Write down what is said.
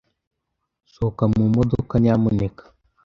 Sohoka mu modoka, nyamuneka.